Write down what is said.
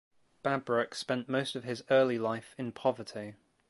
Babrak spent most of his early life in poverty.